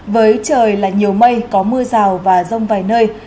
với trời là nhiều mây có mưa rào và rông vài nơi